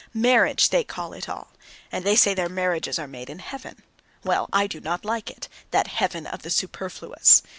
Marriage they call it all; and they say their marriages are made in heaven. Well, I do not like it, that heaven of the superfluous!